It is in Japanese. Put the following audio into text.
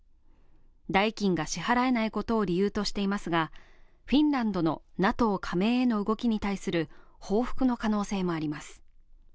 代金が支払えないことを理由としてますが、フィンランドのＮＡＴＯ加盟への動きに対する報復の可能性もあります。